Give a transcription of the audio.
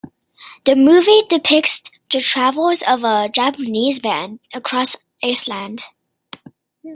The movie depicts the travels of a Japanese man across Iceland.